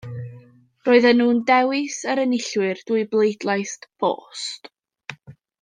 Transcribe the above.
Roedden nhw'n dewis yr enillwyr drwy bleidlais bost.